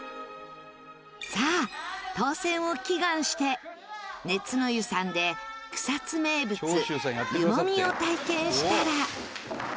さあ当せんを祈願して熱乃湯さんで草津名物湯もみを体験したら。